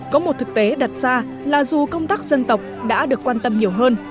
có một thực tế đặt ra là dù công tác dân tộc đã được quan tâm nhiều hơn